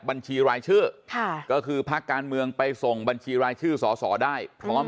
บัญชีรายชื่อค่ะก็คือภาคการเมืองไปส่งบัญชีรายชื่อสอสอได้พร้อม